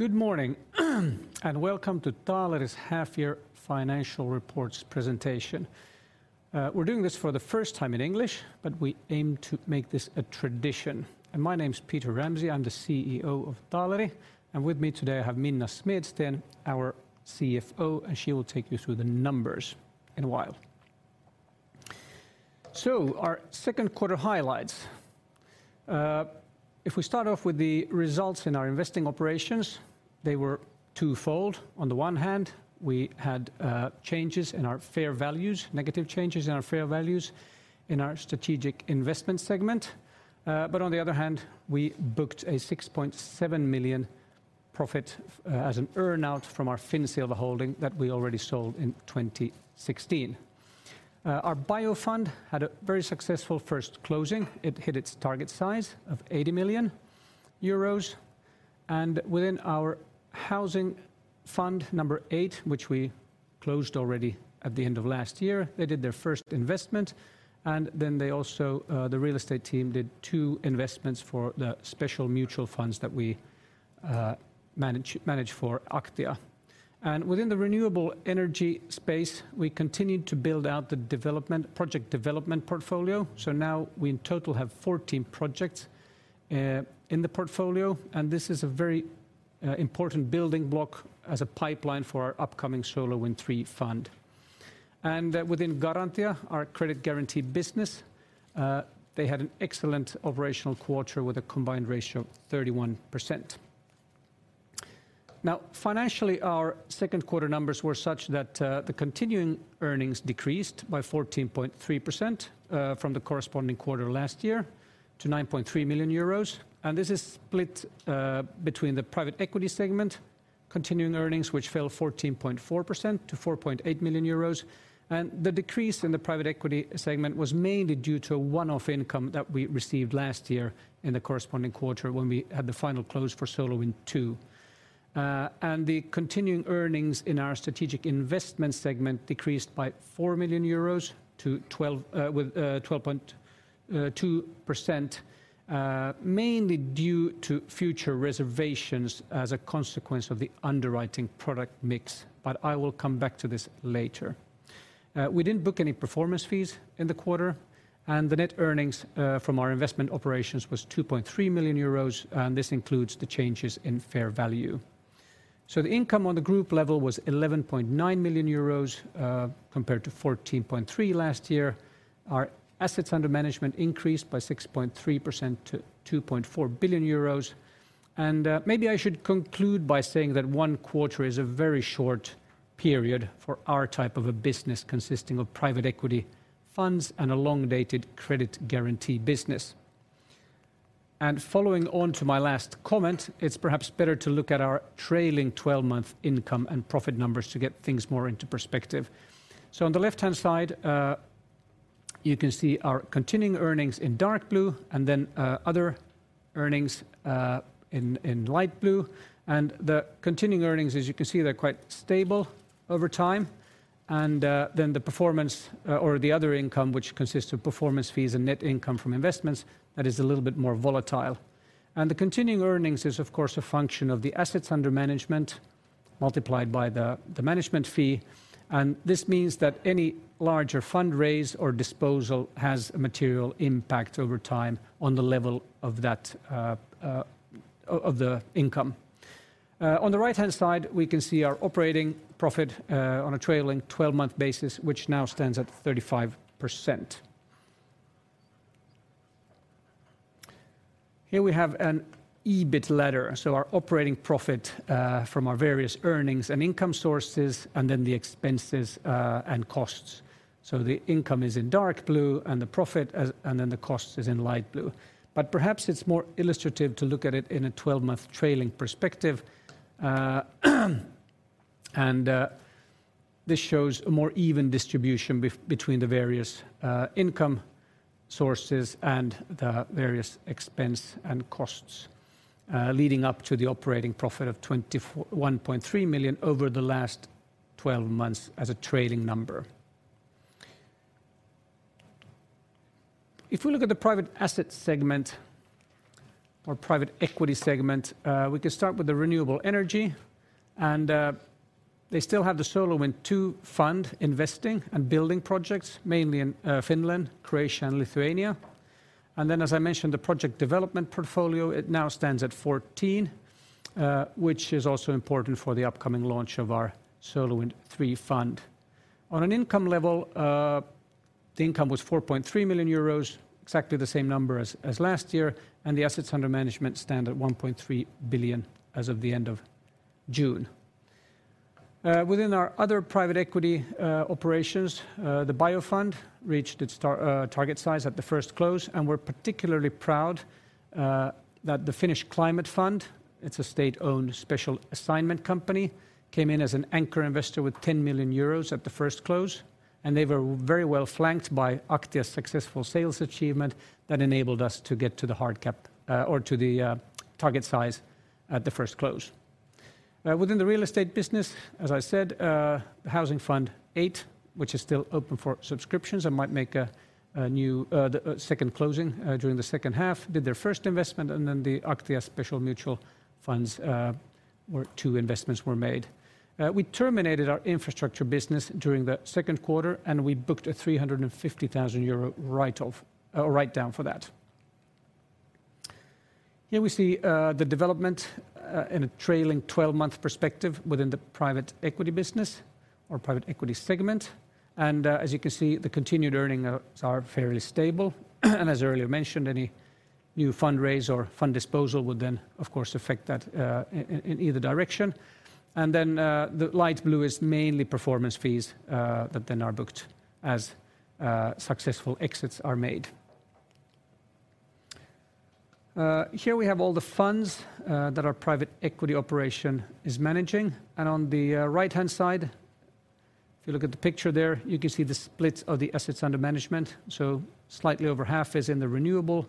Good morning and welcome to Taaleri's half year financial reports presentation. We're doing this for the first time in English, but we aim to make this a tradition. My name's Peter Ramsay. I'm the CEO of Taaleri, and with me today I have Minna Smedsten, our CFO, and she will take you through the numbers in a while. Our second quarter highlights. If we start off with the results in our investing operations, they were twofold. On the one hand, we had changes in our fair values, negative changes in our fair values in our strategic investment segment. But on the other hand, we booked a 6.7 million profit as an earn out from our Finnsilva holding that we already sold in 2016. Our bio fund had a very successful first closing. It hit its target size of 80 million euros. Within our Housing Fund number eight, which we closed already at the end of last year, they did their first investment, and then they also, the real estate team did two investments for the special mutual funds that we manage for Aktia. Within the renewable energy space, we continued to build out the project development portfolio. Now we in total have 14 projects in the portfolio, and this is a very important building block as a pipeline for our upcoming SolarWind III fund. Within Garantia, our credit guarantee business, they had an excellent operational quarter with a combined ratio of 31%. Now, financially, our second quarter numbers were such that the continuing earnings decreased by 14.3% from the corresponding quarter last year to 9.3 million euros. This is split between the private equity segment, continuing earnings, which fell 14.4% to 4.8 million euros. The decrease in the private equity segment was mainly due to a one-off income that we received last year in the corresponding quarter when we had the final close for SolarWind II. The continuing earnings in our strategic investment segment decreased by 4 million euros 12.2%, mainly due to future reservations as a consequence of the underwriting product mix, but I will come back to this later. We didn't book any performance fees in the quarter, and the net earnings from our investment operations was 2.3 million euros, and this includes the changes in fair value. The income on the group level was 11.9 million euros compared to 14.3 million last year. Our assets under management increased by 6.3% to 2.4 billion euros. Maybe I should conclude by saying that one quarter is a very short period for our type of a business consisting of private equity funds and a long-dated credit guarantee business. Following on to my last comment, it's perhaps better to look at our trailing twelve-month income and profit numbers to get things more into perspective. On the left-hand side, you can see our continuing earnings in dark blue and then, other earnings, in light blue. The continuing earnings, as you can see, they're quite stable over time. The performance, or the other income, which consists of performance fees and net income from investments, that is a little bit more volatile. The continuing earnings is of course a function of the assets under management multiplied by the management fee. This means that any larger fundraise or disposal has a material impact over time on the level of that, of the income. On the right-hand side, we can see our operating profit, on a trailing twelve-month basis, which now stands at 35%. Here we have an EBIT ladder, so our operating profit from our various earnings and income sources, and then the expenses and costs. The income is in dark blue and the profit, and then the cost is in light blue. Perhaps it's more illustrative to look at it in a 12-month trailing perspective. This shows a more even distribution between the various income sources and the various expense and costs, leading up to the operating profit of 24.13 million over the last 12 months as a trailing number. If we look at the private asset segment or private equity segment, we can start with the renewable energy, and they still have the SolarWind II fund investing and building projects, mainly in Finland, Croatia, and Lithuania. As I mentioned, the project development portfolio, it now stands at 14, which is also important for the upcoming launch of our SolarWind III fund. On an income level, the income was 4.3 million euros, exactly the same number as last year, and the assets under management stand at 1.3 billion as of the end of June. Within our other private equity operations, the bio fund reached its target size at the first close, and we're particularly proud that the Finnish Climate Fund, it's a state-owned special assignment company, came in as an anchor investor with 10 million euros at the first close, and they were very well flanked by Aktia's successful sales achievement that enabled us to get to the hard cap, or to the target size at the first close. Within the real estate business, as I said, the Housing Fund VIII, which is still open for subscriptions and might make a new second closing during the second half, did their first investment, and then the Aktia special mutual funds, where two investments were made. We terminated our infrastructure business during the second quarter, and we booked a 350,000 euro write-down for that. Here we see the development in a trailing twelve-month perspective within the private equity business or private equity segment. As you can see, the continuing earnings are fairly stable. As earlier mentioned, any new fundraise or fund disposal would then, of course, affect that in either direction. The light blue is mainly performance fees that then are booked as successful exits are made. Here we have all the funds that our private equity operation is managing. On the right-hand side, if you look at the picture there, you can see the splits of the assets under management. Slightly over half is in the renewable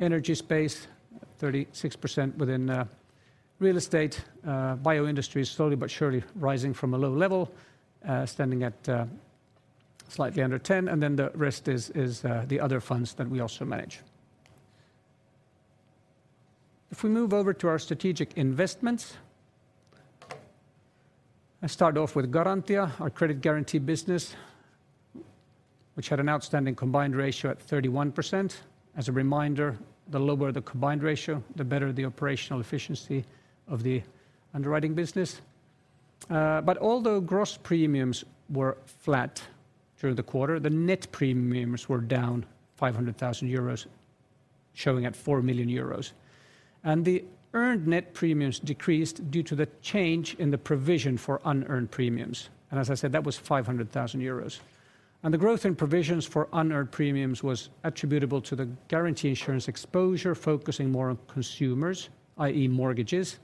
energy space, 36% within real estate. Bioindustry is slowly but surely rising from a low level, standing at slightly under 10%, and then the rest is the other funds that we also manage. If we move over to our strategic investments, I start off with Garantia, our credit guarantee business, which had an outstanding Combined Ratio at 31%. As a reminder, the lower the Combined Ratio, the better the operational efficiency of the underwriting business. Although gross premiums were flat through the quarter, the net premiums were down 500,000 euros, showing at 4 million euros. The earned net premiums decreased due to the change in the provision for unearned premiums. As I said, that was 500,000 euros. The growth in provisions for unearned premiums was attributable to the guarantee insurance exposure, focusing more on consumers, i.e. mortgages.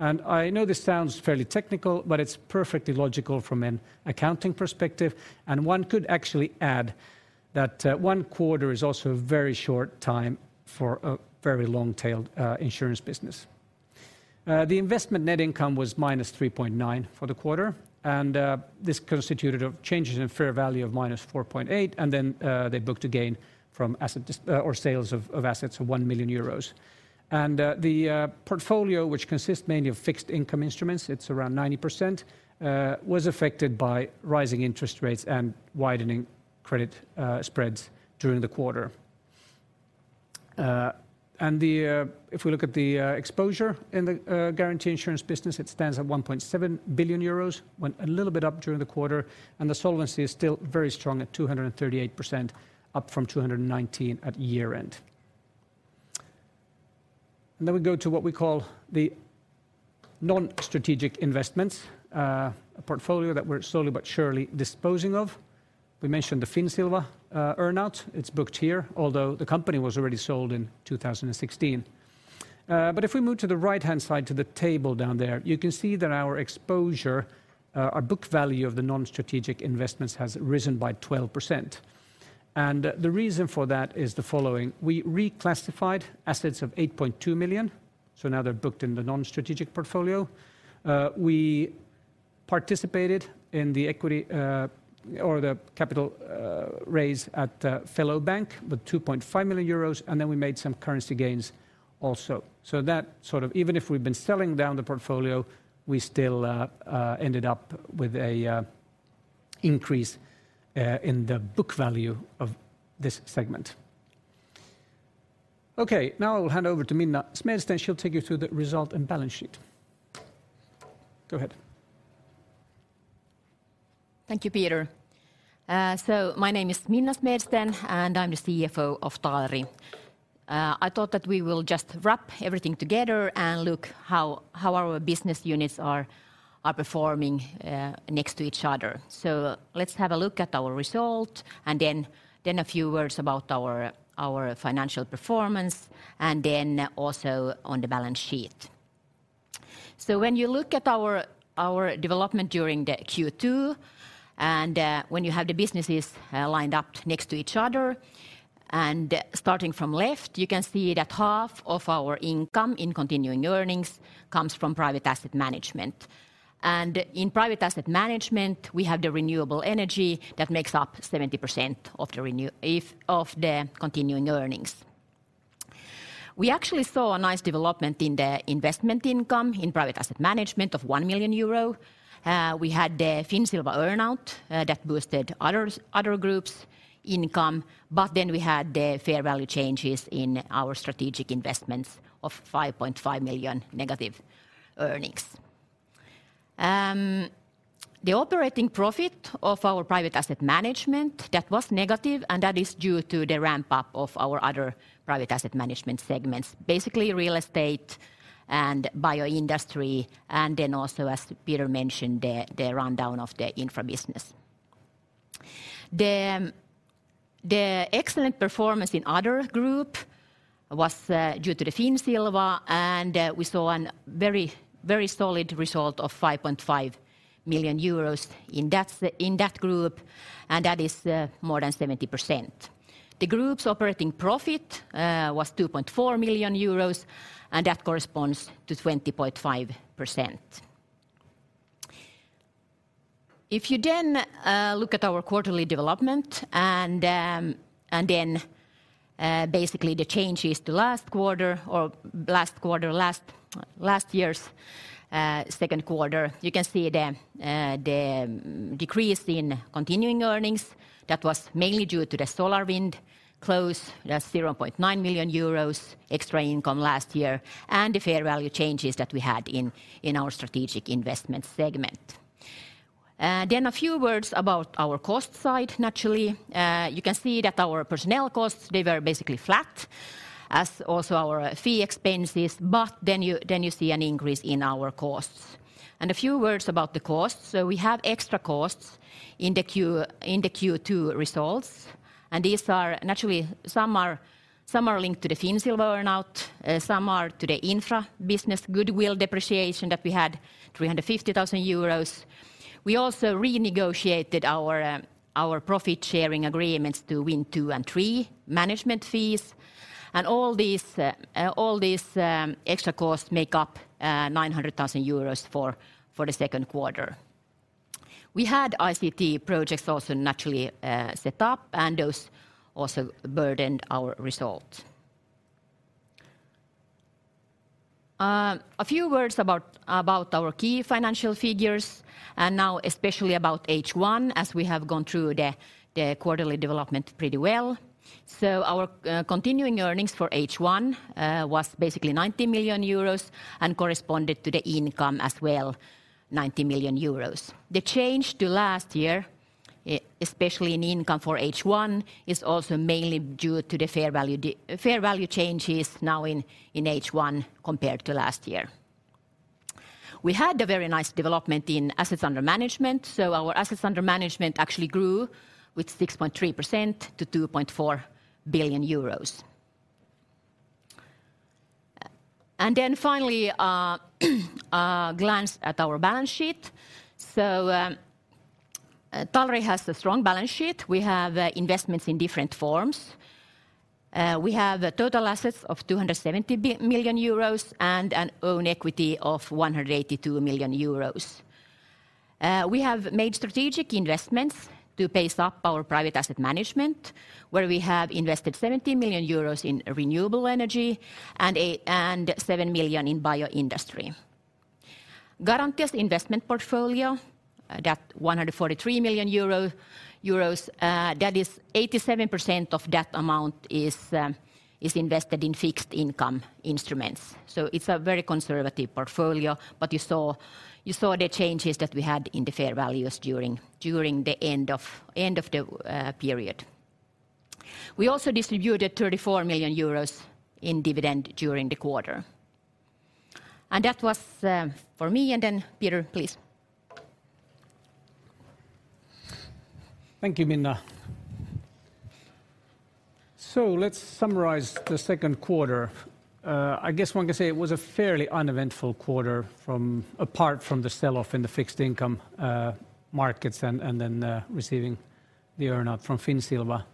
I know this sounds fairly technical, but it's perfectly logical from an accounting perspective, and one could actually add that, one quarter is also a very short time for a very long-tailed insurance business. The investment net income was -3.9 for the quarter, and this constituted of changes in fair value of -4.8, and then they booked a gain from sales of assets of 1 million euros. The portfolio, which consists mainly of fixed income instruments, it's around 90%, was affected by rising interest rates and widening credit spreads during the quarter. If we look at the exposure in the guarantee insurance business, it stands at 1.7 billion euros. Went a little bit up during the quarter, and the solvency is still very strong at 238%, up from 219% at year-end. We go to what we call the non-strategic investments, a portfolio that we're slowly but surely disposing of. We mentioned the Finnsilva earn-out. It's booked here, although the company was already sold in 2016. If we move to the right-hand side to the table down there, you can see that our exposure, our book value of the non-strategic investments has risen by 12%. The reason for that is the following. We reclassified assets of 8.2 million, so now they're booked in the non-strategic portfolio. We participated in the equity or the capital raise at Fellow Bank with 2.5 million euros, and then we made some currency gains also. Even if we've been selling down the portfolio, we still ended up with an increase in the book value of this segment. Okay, now I will hand over to Minna Smedsten. She'll take you through the result and balance sheet. Go ahead. Thank you, Peter. My name is Minna Smedsten, and I'm the CFO of Taaleri. I thought that we will just wrap everything together and look how our business units are performing next to each other. Let's have a look at our result and then a few words about our financial performance and then also on the balance sheet. When you look at our development during the Q2, and when you have the businesses lined up next to each other, and starting from left, you can see that half of our income in continuing earnings comes from private asset management. In private asset management, we have the renewable energy that makes up 70% of the continuing earnings. We actually saw a nice development in the investment income in private asset management of 1 million euro. We had the Finnsilva earn-out that boosted other groups' income, but then we had the fair value changes in our strategic investments of 5.5 million negative earnings. The operating profit of our private asset management, that was negative, and that is due to the ramp-up of our other private asset management segments, basically real estate and bioindustry, and then also, as Peter mentioned, the rundown of the infra business. The excellent performance in other group was due to the Finnsilva, and we saw a very solid result of 5.5 million euros in that group, and that is more than 70%. The group's operating profit was 2.4 million euros, and that corresponds to 20.5%. If you then look at our quarterly development and then basically the changes to last year's second quarter, you can see the decrease in continuing earnings. That was mainly due to the SolarWind closing, that's 0.9 million euros extra income last year, and the fair value changes that we had in our strategic investment segment. Then a few words about our cost side naturally. You can see that our personnel costs, they were basically flat, as also our fee expenses, but then you see an increase in our costs. A few words about the costs. We have extra costs in the Q2 results, and these are. Naturally, some are linked to the Finnsilva earn-out, some are to the infra business goodwill depreciation that we had 350,000 euros. We also renegotiated our profit sharing agreements to SolarWind II and III management fees, and all these extra costs make up 900,000 euros for the second quarter. We had ICT projects also naturally set up, and those also burdened our results. A few words about our key financial figures, and now especially about H1 as we have gone through the quarterly development pretty well. Our continuing earnings for H1 was basically 90 million euros and corresponded to the income as well 90 million euros. The change to last year especially in income for H1 is also mainly due to the fair value changes in H1 compared to last year. We had a very nice development in assets under management, so our assets under management actually grew with 6.3% to 2.4 billion euros. Then finally, a glance at our balance sheet. Taaleri has a strong balance sheet. We have investments in different forms. We have total assets of 270 million euros and an own equity of 182 million euros. We have made strategic investments to ramp up our private asset management, where we have invested 70 million euros in renewable energy and 7 million in bioindustry. Garantia's investment portfolio, that 143 million euro, that is 87% of that amount is invested in fixed income instruments. It's a very conservative portfolio, but you saw the changes that we had in the fair values during the end of the period. We also distributed 34 million euros in dividend during the quarter. That was for me and then Peter, please. Thank you, Minna. Let's summarize the second quarter. I guess one could say it was a fairly uneventful quarter apart from the sell-off in the fixed income markets and then receiving the earn-out from Finnsilva.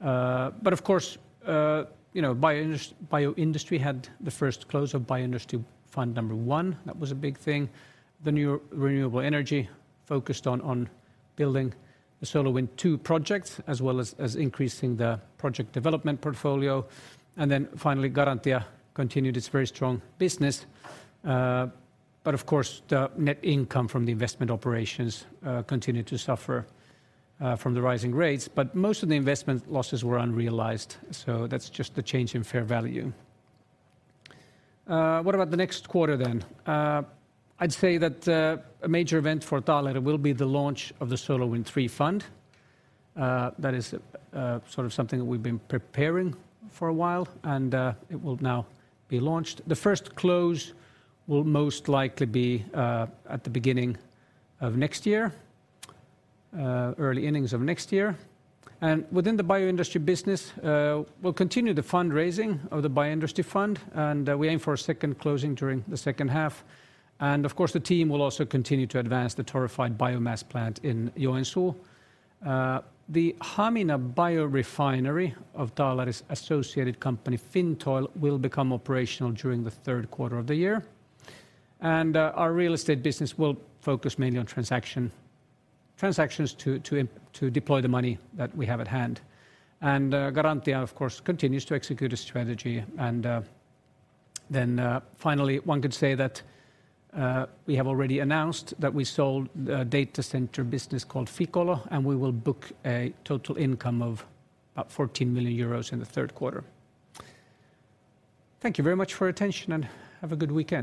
Of course, you know, Bioindustry had the first close of Bioindustry Fund I. That was a big thing. The new renewable energy focused on building the SolarWind II projects, as well as increasing the project development portfolio. Finally, Garantia continued its very strong business. Of course, the net income from the investment operations continued to suffer from the rising rates. Most of the investment losses were unrealized, so that's just the change in fair value. What about the next quarter then? I'd say that a major event for Taaleri will be the launch of the SolarWind III Fund. That is sort of something that we've been preparing for a while, and it will now be launched. The first close will most likely be at the beginning of next year, early innings of next year. Within the bioindustry business, we'll continue the fundraising of the Bioindustry Fund, and we aim for a second closing during the second half. Of course, the team will also continue to advance the torrefied biomass plant in Joensuu. The Hamina biorefinery of Taaleri's associated company, Fintoil, will become operational during the third quarter of the year. Our real estate business will focus mainly on transactions to deploy the money that we have at hand. Garantia, of course, continues to execute a strategy. Finally, one could say that we have already announced that we sold a data center business called Ficolo, and we will book a total income of about 14 million euros in the third quarter. Thank you very much for your attention, and have a good weekend.